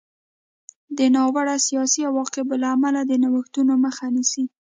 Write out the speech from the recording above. د ناوړه سیاسي عواقبو له امله د نوښتونو مخه نیسي.